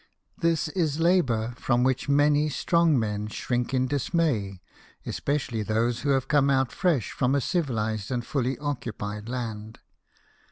This is labour from which many strong men shrink in dismay, especially those who have come out fresh from a civilized and fully occupied land.